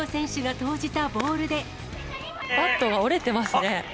バットが折れてますね。